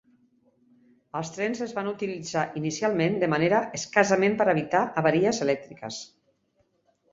Els trens es van utilitzar inicialment de manera escassament per evitar avaries elèctriques.